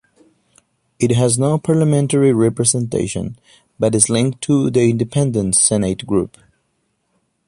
It has no parliamentary representation, but it is linked to the Independent Senate Group.